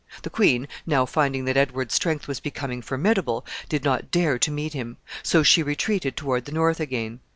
The queen, now finding that Edward's strength was becoming formidable, did not dare to meet him; so she retreated toward the north again.